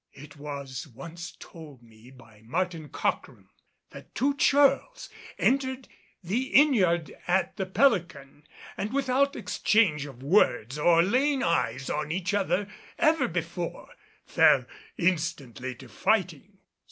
It was once told me by Martin Cockrem that two churls entered the inn yard at the Pelican and without exchange of words, or laying eyes on each other ever before, fell instantly to fighting.